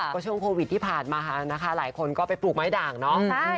ก็ช่วงโควิดที่ผ่านมานะคะหลายคนก็ไปปลูกไม้ด่างเนาะ